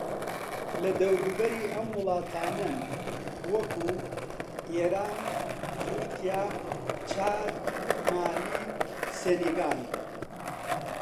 لە دەوروبەری ئەم وڵاتانەن وەکوو: ئێران، تورکیا، چاد، مالی، سینیگال